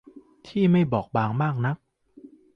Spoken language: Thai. ที่ไม่บอบบางมากนัก